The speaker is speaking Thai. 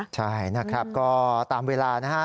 ใช่นะครับก็ตามเวลานะฮะ